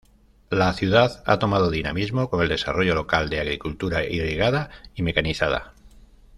La ciudad ha tomado dinamismo con el desarrollo local de agricultura irrigada y mecanizada.